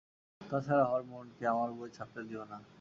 তা ছাড়া হরমোহনকে আমার বই ছাপতে দিও না।